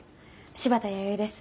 柴田弥生です